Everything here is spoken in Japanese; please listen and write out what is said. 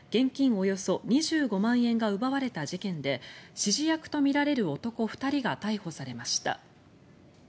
およそ２５万円が奪われた事件で指示役とみられる男２人が逮捕されました。